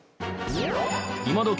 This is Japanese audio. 今どき